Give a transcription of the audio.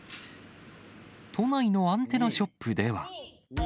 都内のアンテナショップでは。